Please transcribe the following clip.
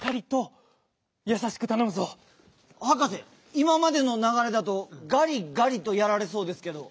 いままでのながれだと「がりがり」とやられそうですけど。